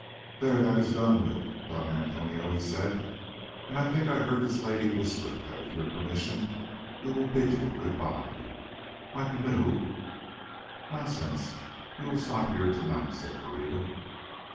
"There, that is done with, Dom Antonio," he said, "and I think I heard this lady whisper that with your permission we will bid you good bye. My canoe——" "Nonsense, you will stop here to night," said Pereira.